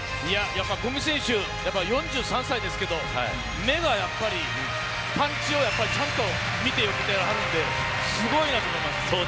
五味選手、４３歳ですけどやっぱり目がパンチをちゃんと見えているのですごいなと思います。